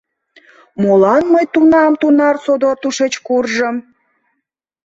Молан мый тунам тунар содор тушеч куржым?